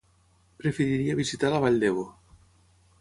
Preferiria visitar la Vall d'Ebo.